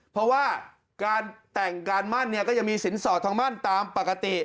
เพราะว่าการแต่งการมั่นเนี่ยก็ยังมีสินสอดทองมั่นตามปกติ